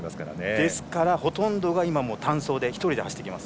ですからほとんどが単走で１人で走ってきます。